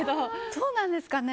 そうなんですかね。